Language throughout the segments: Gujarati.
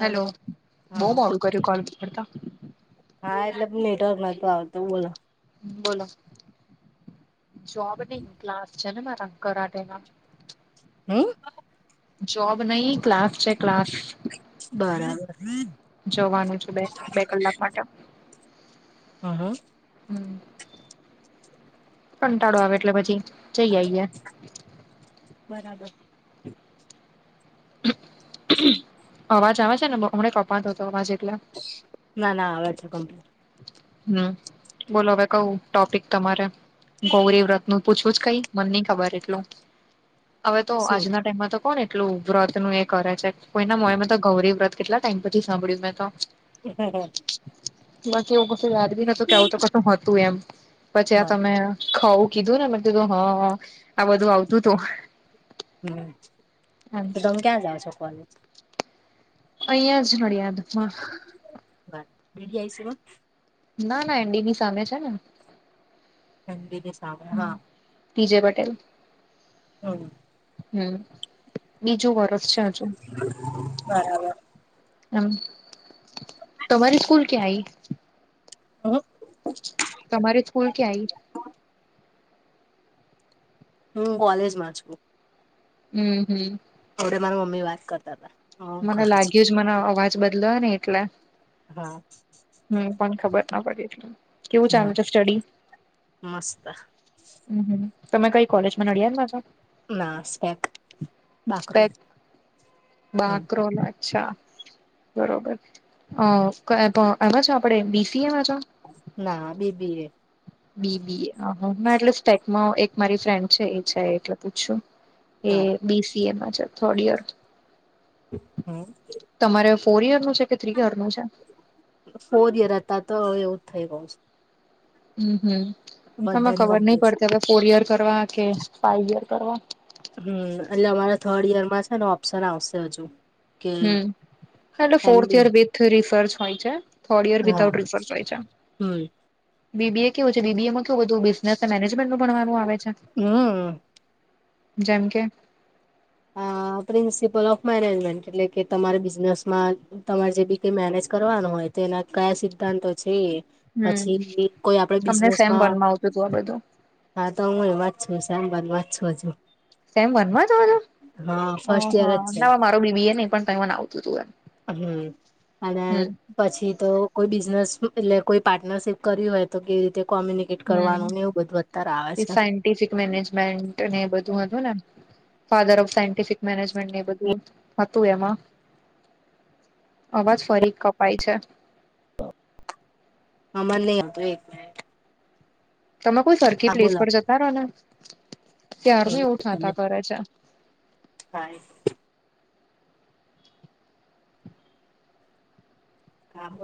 હેલો બહ હા બોલ મોડું કર્યું કોલતા. હા એટલે મીટર નતતો આવતું બોલો. હ બોલો જબ્લા છે ર કરરાટેમાં. હમ. જોબ નહી ક્લાસ છે ક્લાસ. બરાબર. જોવાનું છે બે બે કલાક માટે. હા હા. હ કંટાળો આવે એટલે પછી જઈ આઈએ. બરાબર. અવાજ આવે છે ને હમણા કપાતો હતો અવાજ એટલા. ના ના આવા છે કમપ. હમ બોલો હવે કવું ટોપિક તમારે. ગૌરી વ્રત ન પૂછવું જ કઈ મને નહી ખબર એટલું. હવે તો શું આજના ટાઈમમાં તો કોણ એટલું વ્રત નું એ કરે છે કોઈના મોયમાં તો ગૌરી વ્રત. કેટલા ટાઈમ પછથી સાંભળ્યું મેં તો. હા હા. બસ એવું કશું યાદ બી નતું કે આવું બસ તો કશું હતું એમ પછી આ તમે. ખઉું કીધું ને મને તધું હા આ બધું આવતું હતું. હમ એમ. તો તમે ક્યાં જાાવ છો કોલે. અઐંયા જ નડીદમાં. વા રેઢ આ છે. ના ના એન્ડીની સામે છે ને. ચંદને સાવા હા. બીજય પટેલ. હમ. હમ બીજું વરષ છે હજુ. બરાબર મ તમારી સ્કૂલ ક્યાં આય. હ. તમારે સ્કૂલ ક્યાં આવીય. હમ કોલેજમાં જકો. હમ હમ. એવડે મારા મમ્મી વાત કરતા હતા. હું મને ઘરે છું લાગ્યું જ મને અવાજ બદલા ને એટલે. હા. હમ પણ ખબર ના પડીે એટલ કેવું હમ ચાલુ છે સ્ટડી. મસ્ત. હમમ તમે કઈ કોલેજ માં નડિયા મા છો. નાસ્ક બાક. બાક્રોલ અચ્છા. બરોબર અ એમાં છે આપણે બીસી એ માં છો. ના બીબીએ. બીબીએ એટલેે ટેક મા એક મારી ફ્રેન્ડ છે એ છે એટલે પૂછું. એ બરા બીસીએ પાછળ થડ યર. હમ. તમારે ફોર ઇયર નું છે કે થ્રી યર નું છે. ફોર યર હતા તો એવુંજ થઇ ગયું છે. હમ હમ એમાં બધાની ખબર નહી કમ્પલસ પડતી હવે ફોર ઈયર કરવા કે ફાઈવ ઈયર કરવા. હમ એટલે અમારા થર્ડ ઈયરમાં છે ને ઓપ્શન આવશે હજુ. કે હમ. એટલે એમ fourth B year with research હોય છે થર્ડ યર હા વિધાઉટ રિસર્ચ હોય છે. હમ બીબી એ કેવું છે બીબી એમાં કેવું બધું બિઝનેસ મેનેજમેન્ટ નું ભણવાનું આવે છે. હમ. જેમ કે. અ હ. [unintelligible] પ્રિન્સિપલ ઓફ મેનેજમેન્ટ એટલે કે તમારે બિઝનેસમાં તમારે જે બી કઈ મેનેજ કરવાનું હોય. તેના કયા સિતા તોજ જઈએ. હમ પછી બી કોઈ આપડા તમને સેમ બિઝનેસમાં. વનમાં આવતું હતું આ બધું હા તો હું વાંચ છું શેમ વન વાંચ છું હજુ. સેમ વન હા ફર્સ્ટ યર જ છે ના [inaudible] મારો બીબી નહ પણ ત ના આવતું હતું એ. હમ અને. પછી તો કોઈ બિઝનેસ એટલે કોઈ પાર્ટનરશિપ કરવી હોય તો કેવી રીતે કોમ્યુનિક. ટ કરવાનું ને એવું બઘું અતારે આવે છે. ટફિક મેનેજમેન્ટ અને એ બધું હતું ને. ફાધર ઓફ સાયન્ટિફિક મેનેજમેન્ટ એ બધું હતું એમાં. અવાજ ફરી કપાય છે. હ મને. તમે કોઈ સરખી હા પ્લેસ બોલો પર જતા રહો ને ત્યારનું હવે એવું થાતા કરે છે. હા. હા બ.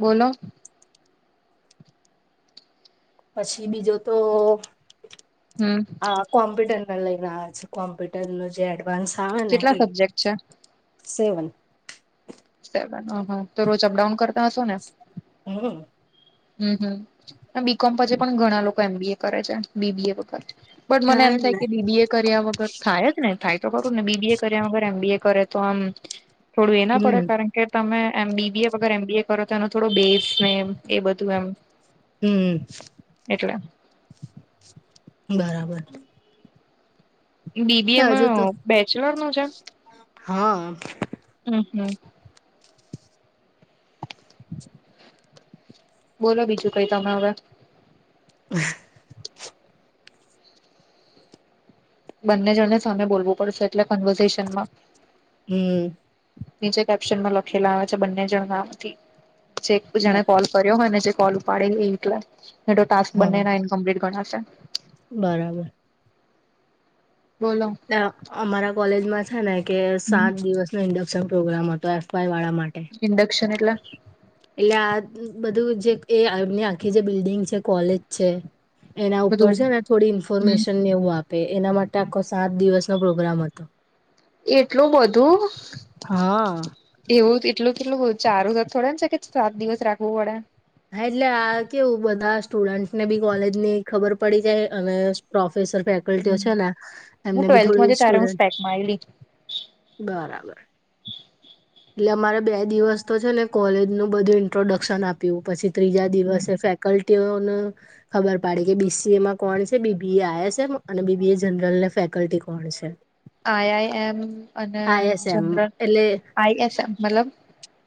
બોલો. પછી બીજો તો. હમ. કોમ્પ્યુટર ના લઈને આવે છે કોમ્પ્યુટર ન જે એડવાન્સ આવે ને કેટલા એ. સબ્જેક્ટ છે સેવન. સેવના તો રોજ અપડાઉન કરતા હશો ને. હમ. હમ હમ અને બીકોમ પછી પણ ઘણા લોકો એમ બી એ કરે છે બીબીએ વગર. પણ મને હા એમ થાય ને કે બીબીએ કર્યા વગર. થાય જ ને થાય તો કરું ને બીબી એ કર્યા વગર એમ બી એ કરે તો આમ થોડું એના પડે હમ કારણ. કે તમે એ બીબીએ વગર એમ બી એ કરો તો એનો થોડો બેઝ ને એ બધું એમ. હમ એટલે બરાબર. બીબી હજુ એમાં તો બેચલર નું છે. હા. હમ હમ. [unintelligible] બોલો બીજું કઈ તમે હવે. હ. બંને જણને સામે બોલવું પડશે એટલે કન્વર્ઝેશનમાં. હમ નીચે કેપ્શન માં લખેલા આવે છે બંને જણ નાથી જે કોલ. કર્યોને જે કોલ ઉપાડે એલા ટાસ્ક હા બને એ ઇન્કમ્પ્લીટ ગણાશે. બરાબર. બોલો. અમારા કોલેજમાં છે ને કે હમ સાત દિવસ નો ઇન્ડક્શન પ્રોગ્રામ હતો એફ વાય વાળા માટે. ઇન્ડક્શન એટલા. એટલે આ બધું જે એ એમની આખી જે બિલ્ડિંગ છે કોલેજ છે. એના ઉપર બધું છે ને થોડી હમ ઇન્ફોર્મેશન નેવું આપે એના માટે આ ક. સાત દિવસનોો પ્રોગ્રામ હતો. એટલું બધું. હા. એવું એટલું કેટલું ચારું સા થડે ને છે કે સાત દિવસ રાખવું પડે. હા એટલે આ કેવું બધા સ્ટુડન્ટને બી કોલેજની ખબર પડી જાય અને પ્રોફેસર ફે. હમ છે ને હું એમને બી ટ્વેલ્થમાં થોડી ત્યારે હું સડ સ્પેકમાં આવેલી બરાબર. એટલે અમારે બે દિવસ તો છે ને કોલેજ નું બધું ઇન્ટ્રોડક્શન આપ્યું પછી ત્રીજા દિવસે. કલ્ટ. ખબર પડી કે બીસીએમાં કોણ છે બીબીએ આઈએસમ અને બીબી એ જનરલને ફેકલ્ટી કોણ છે. આઈ આઈ એમ અને આઈએસએમ જનરલ એટલે આઈ એસ એમ મતલબ.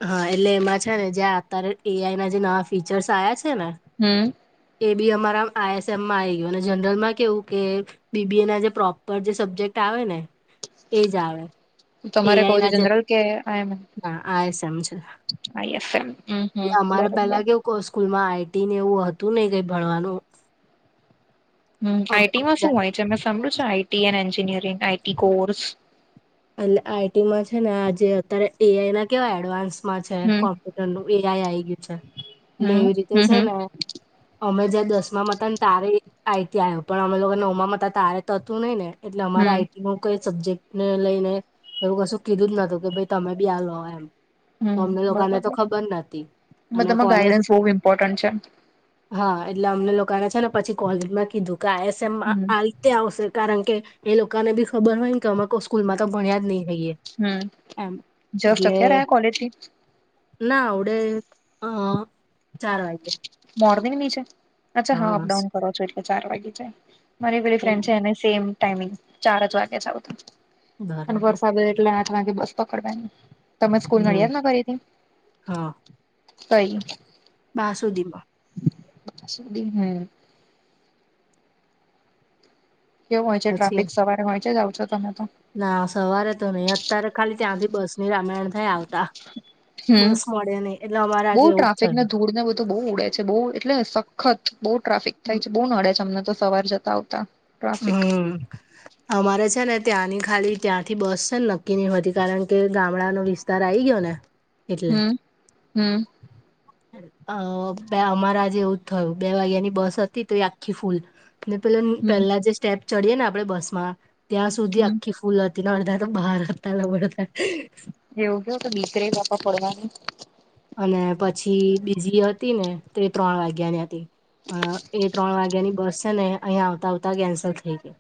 હા એટલે એમાં છે ને જે અત્યારે એ આઈ ના જે નવા ફીચર્સ આવ્યા છે ને. હમ. એ બી અમારા આઈ એસ એમમાં આવી ગયું અને જનરલ માં કેવું કે. બીબી એ ના જે પ્રોપર જે સબ્જેક્ટ આવે ને એજ આવે. તમારે એઆઈ કહું છે ના જે જનરલ કે આમ. ના આઈએસએમ છે હ એસ એમ હ એટલે અમારે બરોબ. પેલા કેવ સ્કૂલમાં આઈટી ને એવું હતું નહ કઈ ભણવાનું. હ આઈટી અમારે માં શું જ્યાં હોય છે અમે સાભળુ છ IT and engineering IT course. એટલે આઈટીમાં છે ને આજે અત્યારે એઆઈ ના કેવાય એડવાન્સ. માં છે હમ કોમ્પ્યુટર નું એ આઈ આઈ ગયું છે એટલે હમ એવી રીતે હમ છે હમ ને. અમેજ દસમા મતા તારે. આઈ ત પણ અમે લોકો ને ઓમામાં તારે થતું નઈ ને. એટલે અમારે હમ આઈટી નું કઈ સબ્જેક્ટ ને લઈ. એવું કશું કીધું જ નતું કે ભાઈ તમે બી આ લો એમ. હમ અમને લોકોને તો બરોબર ખબર નથીતી અને બધામાં કોલેજ. ગાઈડન્સ બહુ ઇમ્પોર્ટન્ટ છે હા એટલે અમને લોકોને છે ને પછી કોલેજમાં કીધું કે આઈ એસમ હમ આ. તે આવશે કારણ કે એ લોકોને બી ખબર હોય ને કે અમે કોઈ સ્કૂલ માં તો ભણ્યા જ નહીિ. હમ એમ જસ્ટ એટલે. અત્યારે આ કોલેજથી ના આવડે હ ચાર વાગે. મોર્નિંગ ની છે અચ્છા હા અપડાઉન કરો છો એટલે ચાર વાગે જાય મારી ફ્રેન્ડ છે એને. સેમ ટાઈમિંગ ચારજ વાગેજ અને બરાબર વરસા એટલે. બસ પકડવાની તમે સ્કૂલ ન દ હમ ના કરીથી. કઈ. મા સુધીમાં. હમ. કેવું હોય છે પછી ટ્રાફિક સવારે હોય છે જાાવ છો તમે તો. ના સવારે તો નહી અત્યારે ખાલી ત્યાંથી બસ ની રામાયણ થાય આવ. હમ બસ મળે નને એટલે અમારે આજે એવુંજ થયું. તો બહુ ઉડે છે બહુ એટલે સખત બહુ ટ્રાફિક થાય છે બહુ નડે છે અમને તો સવાર જતા આવતા. ટ્રાફિક હમ. અમારે છે ને ત્યાંની ખાલી ત્યાંથી બસ છે ને નક્કી નહી હોતી કારણ કે ગામડાનો વિસ્તાર. તાર આ આવી ગયો ને એટલે. હમ હમ અ અમારે આજે એવુંજ થયું બે વાગ્યાની બસ હતી તો એ આખી ફૂલ. ને પે હમ પેલા જે સ્ટેપ ચડીયે ને આપડે બસ માં ત્યાં સુધી હમ આખી. સ્કુલતી ના અડતા તો ભારતલા પડતા. એવું કેયું તો દીકરે બાપડ પડવાની. અને પછી બીજી હતી ને તે ત્રણ વાગ્યા ની હતી. પણ એ ત્રણ વાગ્યાની બસ છે ને અહીંયા આવતા આવતા કેન્સલ થઈ ગઈ.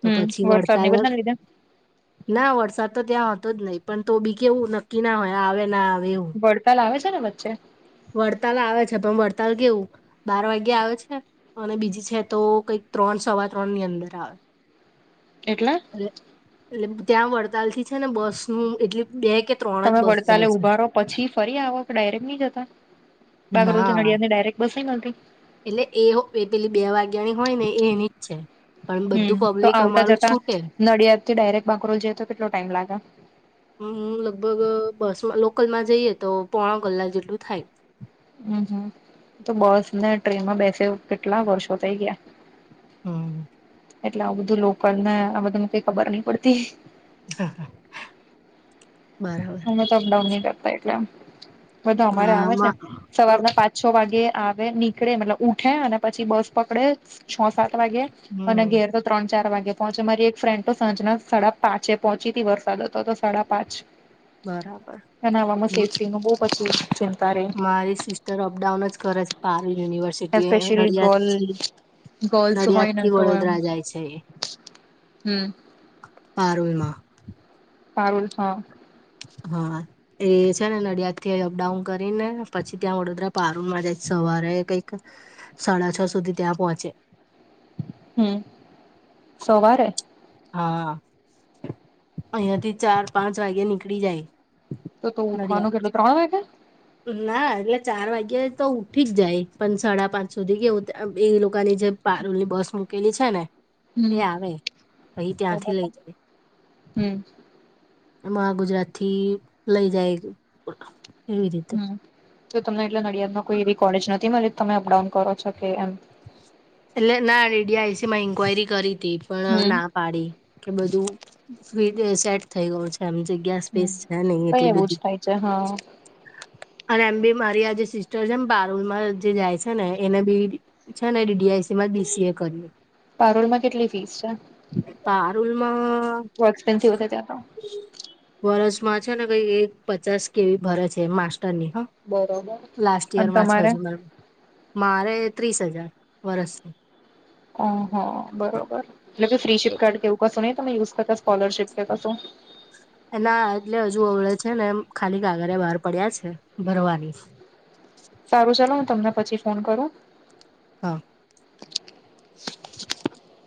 તો હમ પછી વરસાદ ની વર્તાલસ. બધાને લીધે ના વરસાદ તો ત્યાં હતો જ નહીિ પણ તો બી કે એવું નક્કી ના હોય આવે ના આવે એવું. વડતાલાવે છે ને વચ્ચે. વડતાલ આવે છે પણ વડતાલ કેવું. બાર વાગ્યા આવે છે અને બીજી છે તો કંઈક ત્રણ સવા ત્રણ ની અંદર આવે. એટલે. એટલે ત્યાં વડતાલ થી છે ને બસ નું એટલી બે કે. ત્રણ જ તમે બસ વડતાલે જાય છે ઉભારો. પછી ફરી આવો ડાયરેક્ટ નહી જતા બાગરોજ ના નડિયા ને ડાયરેક્ટ બસ મળતી. એટલે એ એ પેલી બે વાગ્યાની હોય ને એની છે. પણ બધું હમ તો પબ્લિક આવતા અમારું જતા છૂટે નડિયાદથી ડાયરેક્ટ બાકરોલ જએ તો કેટલો ટાઈમ લાગે. હું લગભગ બસમાં લોકલમાં જઈએ તો પોણા કલાક જેટલું થાય. હમ હમ તો બસ ને ટ્રેનમાં બેસે કેટલા વર્ષો થઇ ગયા. હમ. એટલે આવું બધું લોકલ ને આ બધાને કઈ ખબર નહ પડતી. બરાર. પડાઉન ન કરતાટલે બધું અમારે ના આવે છે માં સવારના પાંચ. છ વાગે આવે નીકળે મતલબ ઉઠે અને પછી બસ પકડે. છ સાત વાગે અને હમ ઘેર તો. ત્રણ ચાર વાગે પહોંચે મારી એક ફ્રેન્ડ તો સાંજના સાડા પાંચે પહોચીથી વરસાદ હતો તો સાડા પાંચ. બરાબર એ નામાં સેચ ન બ પછી છે. મારી સિસ્ટર અપડાઉન જ કરે છે પાર university specially Nadiad. Girl girls Nadiad હોય ને થી તો એમ વડોદરા જાય છે. હમ. પારોલમાં. સારુંલ છ. હા એ છે ને નડિયાદ થી અપડાઉન કરીને પછી ત્યાં વડોદરા. પારૂમાં જાય સવારે કંઈક સાડા છ સુધી ત્યાં પહોંચે. હમ સોવારે. હા અહયાથી ચાર પાંચ વાગે નીકળી જાય. તો ઉઠવાનું નડિયાદ કેટલું ત્રણ વાગે. ના એટલે ચાર વાગ્યાતો ઉઠીજ જાય પણ સાડા પાંચ સુધી કેવું એ લોકોની જે. પારૂલ ની બસ મૂકેલી છે ને હમ એ આવે પછ એ ત્યાંથી બાપા લઈ જાય. હમ. મહાગુજરાત થી લઈ જાય એવી રીતે. હમ તો તમને એટલે નડિયાદમાં કોઈ એવી કોલેજ નથી મળી તમે અપડાઉન કરો છ કે એમ. એટલે ના ડીડીઆઈસી માં ઇન્કવાયરી કરી હતી પણ હમ ના. પાડી કે બધું સેટ. થઈ ગયું છે એમ જગ્યા હમ સ્પેસ છે નહ કઈ એટલી એવું બધી. જ થાય છે હા અને એમ બી મારી આજે સિસ્ટર છે એમ બારૂલમાં જે જાય છે ને એને બી. છે ને એ ડીઆઈસીમાં ડીસીએ કર્યું. પારોલમાં કેટલી ફીસ છેપન્સ. વર્ષમાં છે ને કઈ એક પચાસ કેવી ભરે છે માસ્ટરની હા. બરોબર લાસ્ટ અને યયરમાં છ તમારે હજુ મારે ત્રીસ હજાર વર્ષ. ઓહ બરોબર એટલે કે ફ્રી શિપ કાર્ડ કેવું કશું નહી તમે ુઝ કરતા સ્કોલરશીપ કે કશો. એના એટલે હજુ અવડે છે ને એ ખાલી કાગારે બહાર પડ્યા છે ભરવાની-' સારું ચાલ હ તમને પછી ફોન કરું-' હા.